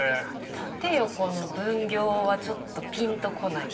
縦横の分業はちょっとピンとこないです。